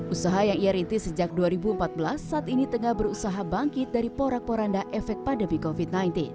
usaha yang ia rintis sejak dua ribu empat belas saat ini tengah berusaha bangkit dari porak poranda efek pandemi covid sembilan belas